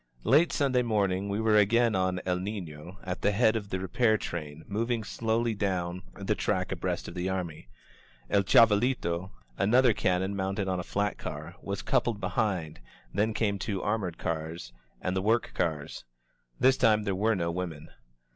.•• Late Sunday morning we were again on "El Nifio" at the head of the repair train, moving slowly down 201 INSURGENT MEXICO the track abreast of the army. "El Chavalito," an other cannon mounted on a flat K;ar, was coupled behind, then came two armored cars, and the work cars. This time there were no women.